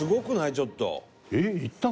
ちょっと。